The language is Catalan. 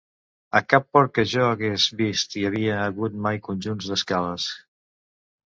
A cap port que jo hagués vist hi havia hagut mai conjunts d'escales.